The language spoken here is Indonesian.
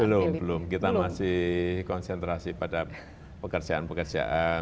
belum belum kita masih konsentrasi pada pekerjaan pekerjaan